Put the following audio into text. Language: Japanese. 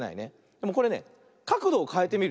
でもこれねかくどをかえてみるの。